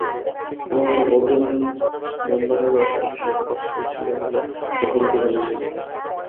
এমনকি বদনী মেম্বারেরও এসব বিষয়ে প্রশ্রয় ছিল বলে লোকমুখে জেনেছিলাম তখন।